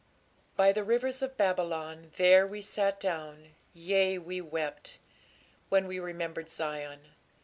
By the rivers of Babylon, there we sat down, yea, we wept, when we remembered Zion.